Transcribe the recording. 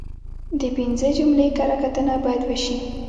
د پنځه جملې کره کتنه باید وشي.